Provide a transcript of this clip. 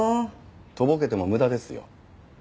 とぼけても無駄ですよ。